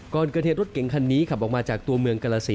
ก่อนเกิดเหตุรถเก่งคันนี้ขับออกมาจากตัวเมืองกรสิน